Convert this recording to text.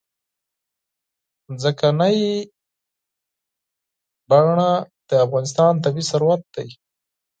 ځمکنی شکل د افغانستان طبعي ثروت دی.